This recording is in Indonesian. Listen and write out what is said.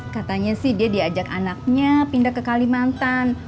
katanya sih dia diajak anaknya pindah ke kalimantan